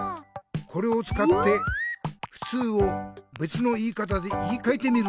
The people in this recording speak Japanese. これをつかって「ふつう」をべつの言い方で言いかえてみるのさ。